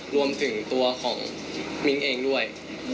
รวมถึงตัวของมิ้งเองด้วย